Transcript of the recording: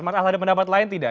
mas as ada pendapat lain tidak